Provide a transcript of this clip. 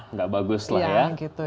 nggak baguslah ya